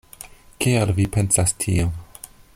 Kial vi pensas tion?